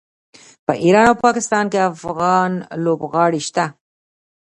په ایران او پاکستان کې افغان لوبغاړي شته.